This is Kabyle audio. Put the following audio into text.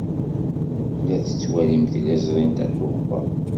La tettwalim tiliẓri n Tatoeba.